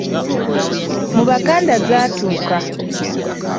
Mu Buganda zaatuuka.